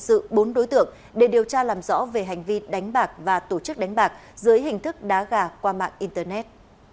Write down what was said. hình sự bốn đối tượng để điều tra làm rõ về hành vi đánh bạc và tổ chức đánh bạc dưới hình thức đá gà qua mạng internet